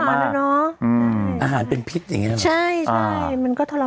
อาหารเป็นพิษอย่างงี้น่ะ